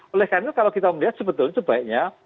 oleh karena itu kalau kita melihat sebetulnya sebaiknya